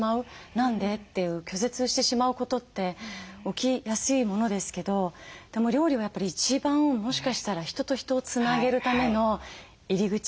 何で？っていう拒絶してしまうことって起きやすいものですけどでも料理はやっぱり一番もしかしたら人と人をつなげるための入り口。